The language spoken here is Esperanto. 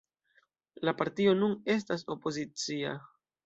La partio nun estas opozicia.